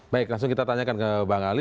baik langsung kita tanyakan ke bang ali